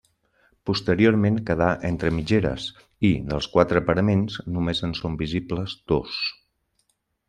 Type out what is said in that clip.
Posteriorment quedà entre mitgeres i, dels quatre paraments, només en són visibles dos.